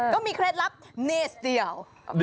เคล็ดลับเนสเดียว